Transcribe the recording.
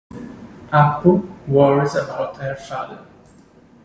Appu worries about her father.